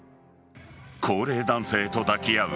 高齢男性と抱き合う